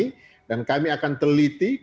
silahkan mengajukan permohonan rekomendasi kepada kami